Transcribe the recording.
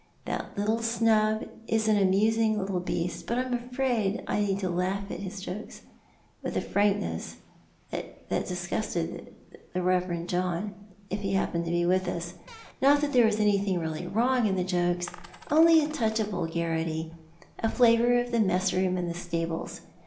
That little sub is an amusing little beast, and I'm afraid I used to laugh at his jokes with a frankness that disgusted the Keverend John if he happened to be with us~not that there was anything really wrong in the jokes— only a touch of vulgarity, a flavour of the messroom and the stables.